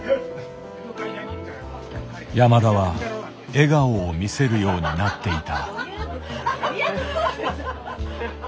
山田は笑顔を見せるようになっていた。